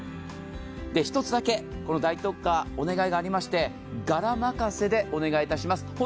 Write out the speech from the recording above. １つだけ、この大特価、お願いがありまして柄任せでお願いいたします。